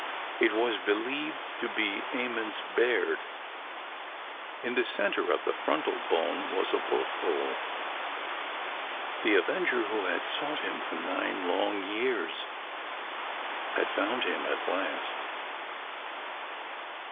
It was believed to be Emmons Baird. In the center of the frontal bone was a bullet hole. The avenger who had sought him for nine long years had found him at last.